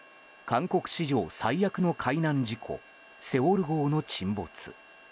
韓国史上最悪の海難事故「セウォル号」の沈没。